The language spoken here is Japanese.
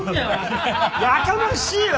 やかましいわ！